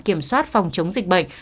kiểm soát phòng chống dịch bệnh